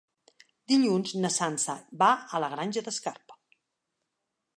Dilluns na Sança va a la Granja d'Escarp.